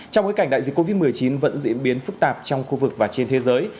trong bối cảnh đại dịch covid một mươi chín vẫn diễn biến phức tạp trong khu vực và trên thế giới